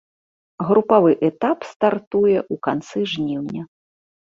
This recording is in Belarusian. Групавы этап стартуе ў канцы жніўня.